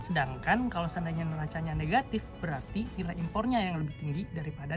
sedangkan kalau seandainya neracanya negatif berarti nilai impornya yang lebih tinggi daripada